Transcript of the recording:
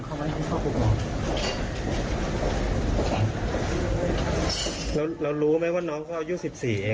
ทำมานานแล้วยังครับทำแบบนี้มานานแล้วยัง